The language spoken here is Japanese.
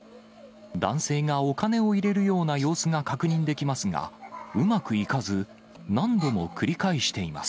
男性がお金を入れるような様子が確認できますが、うまくいかず、何度も繰り返しています。